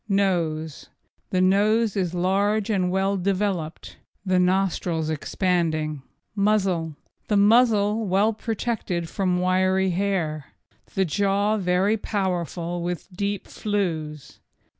NOSE The nose is large and well developed, the nostrils expanding. MUZZLE The muzzle well protected from wiry hair. The jaw very powerful with deep flews.